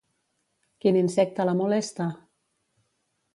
Quin insecte la molesta?